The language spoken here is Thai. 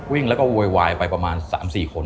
วิ่งแล้วก็โวยวายไปประมาณ๓๔คน